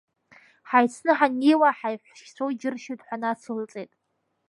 Ҳаицны ҳаннеиуа, ҳаиҳәшьцәоу џьыршьоит, ҳәа нацылҵеит.